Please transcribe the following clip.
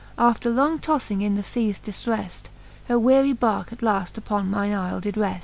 After long toffing in the feas diftreft. Her weary barke at laft uppon mine ifle did reft.